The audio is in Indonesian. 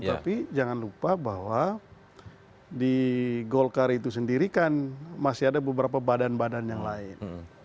tapi jangan lupa bahwa di golkar itu sendiri kan masih ada beberapa badan badan yang lain